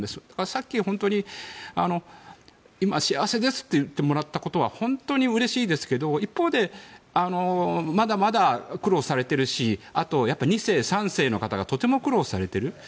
さっき本当に今、幸せですって言ってもらったことは本当にうれしいですけど、一方でまだまだ苦労されているし２世、３世の方がとても苦労されている。